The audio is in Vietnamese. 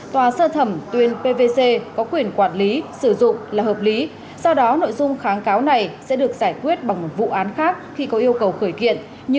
tòa sơ thẩm tuyên pvc có quyền quản lý sử dụng là hợp lý do đó nội dung kháng cáo này sẽ được giải quyết bằng một vụ án khác khi có yêu cầu khởi kiện như bản án sơ thẩm đã nêu